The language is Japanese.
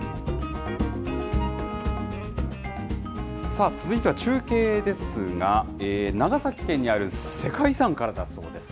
さあ、続いては中継ですが、長崎県にある世界遺産からだそうです。